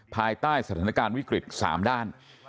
ภายใต้สถานการณ์วิกฤต๓ด้าน